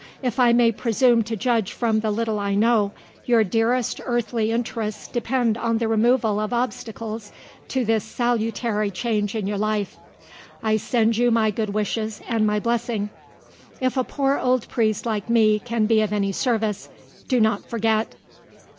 If I may presume to judge from the little I know, your dearest earthly interests depend on the removal of obstacles to this salutary change in your life. I send you my good wishes, and my blessing. If a poor old priest like me can be of any service, do not forget.